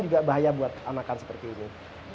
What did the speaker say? juga bahaya buat anakan seperti ini